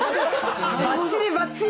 バッチリバッチリ。